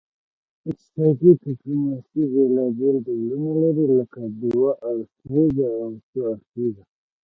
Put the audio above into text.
اقتصادي ډیپلوماسي بیلابیل ډولونه لري لکه دوه اړخیزه او څو اړخیزه